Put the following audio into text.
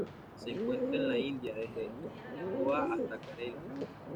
Se encuentra en la India: desde Goa hasta Kerala.